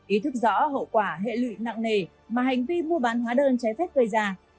ý thức rõ hậu quả hệ lụy nặng nề mà hành vi mua bán hóa đơn trái phép gây ra